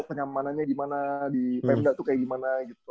kenyamanannya gimana di pemda tuh kayak gimana gitu